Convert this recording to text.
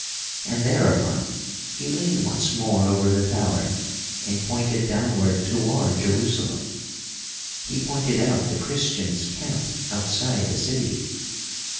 And thereupon he leaned once more over the tower and pointed downward toward Jerusalem. He pointed out the Christians' camp outside the city.